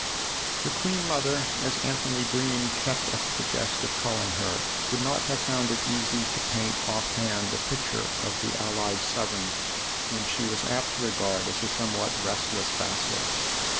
The queen mother, as Anthony Bream kept up the jest of calling her, would not have found it easy to paint off hand a picture of the allied sovereign whom she THE OTHER HOUSE 7 was apt to regard as a somewhat restless vassal.